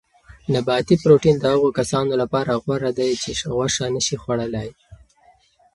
نباتي پروټین د هغو کسانو لپاره غوره دی چې غوښه نه شي خوړلای.